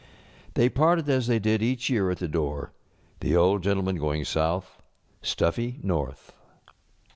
They parted as they did each year at the door, the Old Gentleman going south. Stuffy north.